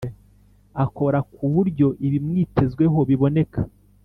akora ku buryo ibimwitezweho biboneka